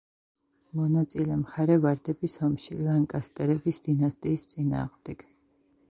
მონაწილე მხარე ვარდების ომში, ლანკასტერების დინასტიის წინააღმდეგ.